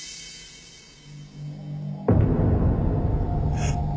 えっ？